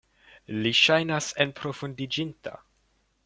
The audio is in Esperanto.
Li ŝajnas enprofundiĝinta.